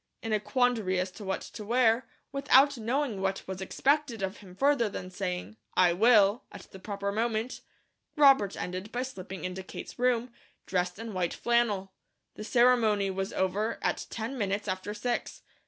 In a quandary as to what to wear, without knowing what was expected of him further than saying "I will," at the proper moment, Robert ended by slipping into Kate's room, dressed in white flannel. The ceremony was over at ten minutes after six.